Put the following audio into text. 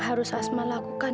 harus asma lakukan